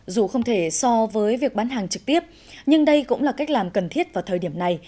dù không thể so với việc bán hàng trực tiếp nhưng đây cũng là cách làm cần thiết vào thời điểm này